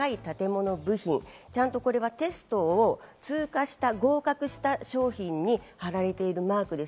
防犯性の高い建物部品、ちゃんとこれはテストを通過した、合格した商品に貼られているマークです。